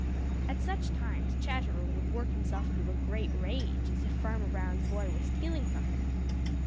At such times Chatterer would work himself into a great rage, as if Farmer Brown's boy were stealing from him.